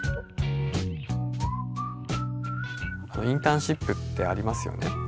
インターンシップってありますよね。